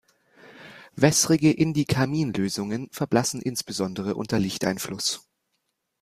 Wässrige Indikarmin-Lösungen verblassen insbesondere unter Lichteinfluss.